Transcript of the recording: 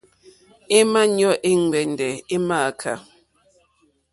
È mà ɲɔ́ è ŋgbɛ̀ndɛ̀ è mááká.